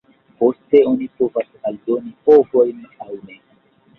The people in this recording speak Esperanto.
Poste oni povas aldoni ovojn aŭ ne.